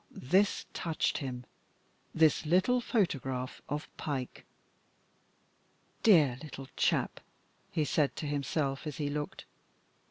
this touched him, this little photograph of Pike. "Dear little chap," he said to himself as he looked.